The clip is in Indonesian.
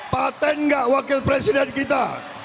patent nggak wakil presiden kita